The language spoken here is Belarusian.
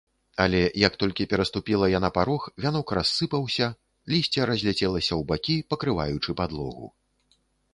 Але як толькі пераступіла яна парог, вянок рассыпаўся, лісце разляцелася ў бакі, пакрываючы падлогу.